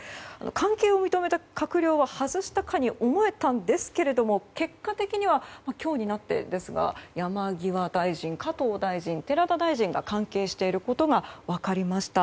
関係を認めた閣僚を外したかに思えたんですが結果的には今日になってですが山際大臣、加藤大臣、寺田大臣が関係していることが分かりました。